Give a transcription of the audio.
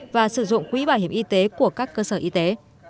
và sử dụng quỹ bảo hiểm y tế của các cơ sở y tế